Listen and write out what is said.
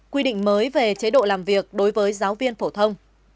quy định mới về chế độ làm việc đối với giáo viên phổ thông